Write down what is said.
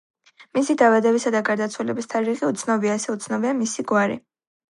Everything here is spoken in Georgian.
მისი დაბადებისა და გარდაცვალების თარიღი უცნობია, ასევე უცნობია მისი გვარი.